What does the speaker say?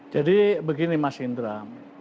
jadi begini mas indra